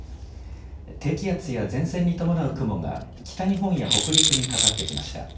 低気圧や前線に伴う雲が北日本や北陸にかかってきました。